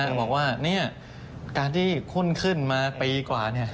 บอกว่าเนี่ยการที่ขุ่นขึ้นมาปรีกว่าเนี่ย